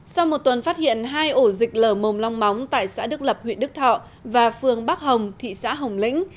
sau một tuần phát hiện hai ổ dịch lở mồm long móng tại xã đức lập huyện đức thọ và phường bắc hồng thị xã hồng lĩnh